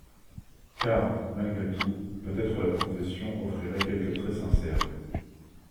Car, malgré tout, peut-être la confession offrirait quelques traits sincères.